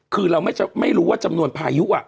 คือเราไม่รู้ว่าจำนวนพายุ